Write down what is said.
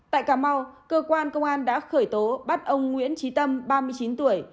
tại cà mau cơ quan công an đã khởi tố bắt ông nguyễn trí tâm ba mươi chín tuổi